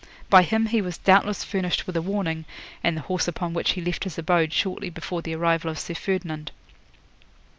By him he was doubtless furnished with a warning, and the horse upon which he left his abode shortly before the arrival of Sir Ferdinand.